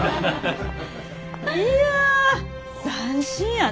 いや斬新やな。